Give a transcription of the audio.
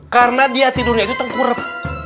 karena dia tidurnya itu tengkurap